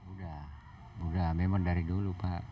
sudah sudah memang dari dulu pak